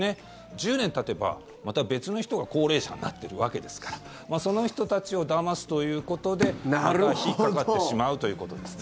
１０年たてば、また別の人が高齢者になっているわけですからその人たちをだますということでまた引っかかってしまうということですね。